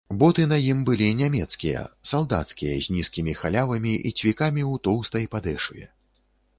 Боты на ім былі нямецкія, салдацкія, з нізкімі халявамі і цвікамі ў тоўстай падэшве.